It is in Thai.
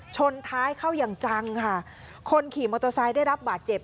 ชนท้ายเข้าอย่างจังค่ะคนขี่มอเตอร์ไซค์ได้รับบาดเจ็บ